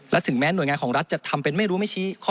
และถึงแม้หน่วยงานของรัฐจะทำเป็นไม่รู้ไม่ชี้ข้อ